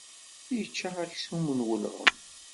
Yečča aksum n welɣem.